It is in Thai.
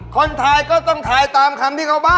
คนไทยก็ต้องไทยตามคำที่เขาใบ่